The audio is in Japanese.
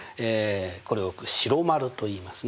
これを白丸といいますね。